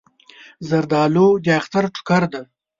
زردالو د اختر ټوکر دی.